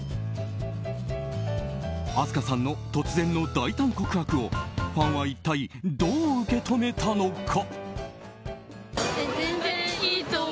明日花さんの突然の大胆告白をファンは一体どう受け止めたのか。